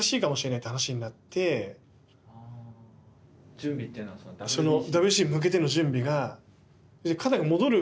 準備っていうのはその。